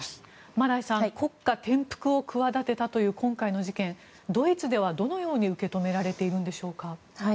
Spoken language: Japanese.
マライさん国家転覆を企てたという今回の事件、ドイツではどのように受け止められているんでしょうか。